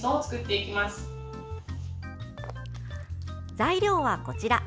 材料はこちら。